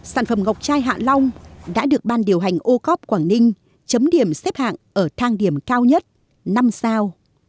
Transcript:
sản phẩm ngọc chai hạ long đã được ban điều hành o corp quảng ninh chấm điểm xếp hạng ở thang điểm cao nhất năm sao